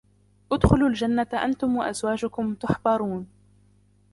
ادخلوا الجنة أنتم وأزواجكم تحبرون